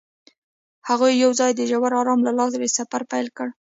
هغوی یوځای د ژور آرمان له لارې سفر پیل کړ.